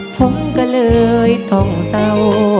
ผมก็เลยต้องเศร้า